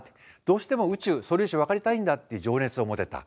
どうしても宇宙素粒子を分かりたいんだっていう情熱を持てた。